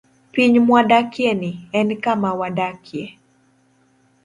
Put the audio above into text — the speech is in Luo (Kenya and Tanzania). Piny mwadakieni, en kama wadakie.